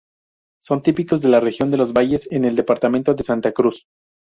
Son típicos de la región de los valles, en el departamento de Santa Cruz.